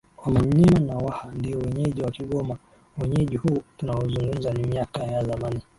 Wamanyema na Waha Ndio wenyeji wa kigoma Uwenyeji huu tunauzungumza ni miaka ya zamani